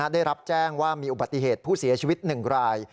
ได้รับแจ้งว่ามีอุบัติเหตุผู้เสียชีวิต๑ราย